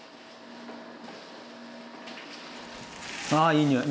あいい匂い！